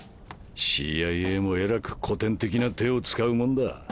ＣＩＡもえらく古典的な手を使うもんだ。